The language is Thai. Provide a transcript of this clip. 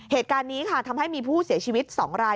เหตุการณ์นี้ค่ะทำให้มีผู้เสียชีวิต๒ราย